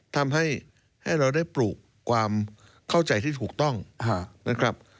ทำให้เราได้ปลูกความเข้าใจที่ถูกต้องนะครับ